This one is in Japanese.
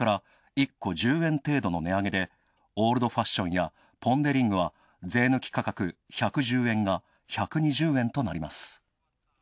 オールドファッションやポン・デ・リングは税抜き価格１１０円が１２０円となります。